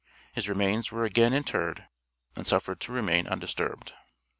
His remains were again interred and suffered to remain undisturbed.